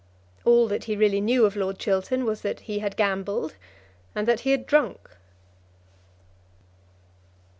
All that he really knew of Lord Chiltern was that he had gambled and that he had drunk.